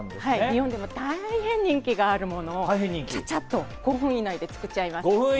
日本でも大変人気があるものをちゃちゃっと５分以内で作っちゃいます。